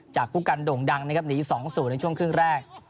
จากกุกันโด่งดังนะครับหนี๒สูตรในช่วงกริ่งแรก